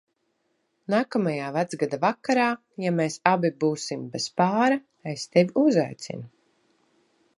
Nākamajā Vecgada vakarā, ja mēs abi būsim bez pāra, es tevi uzaicinu.